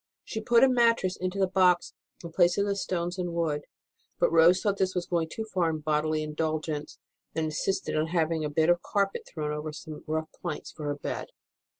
She put a mattress into the box in place of the stones and wood ; but Rose thought this was going too far in bodily indulgence, and insisted on having a bit of carpet thrown over some rough planks for her bed.